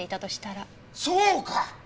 そうか！